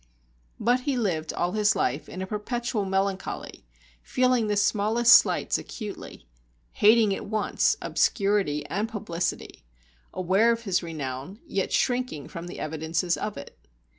But he lived all his life in a perpetual melancholy, feeling the smallest slights acutely, hating at once obscurity and publicity, aware of his renown, yet shrinking from the evidences of it.